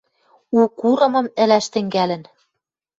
У курымым ӹлӓш тӹнгӓлӹн.